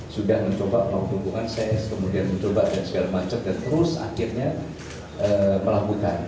sudah mencoba pelabuhan cs kemudian mencoba dan segala macam dan terus akhirnya pelabuhan